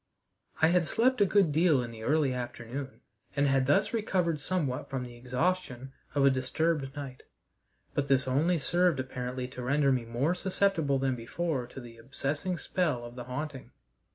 I had slept a good deal in the early afternoon, and had thus recovered somewhat from the exhaustion of a disturbed night, but this only served apparently to render me more susceptible than before to the obsessing spell of the haunting.